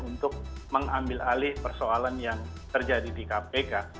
untuk mengambil alih persoalan yang terjadi di kpk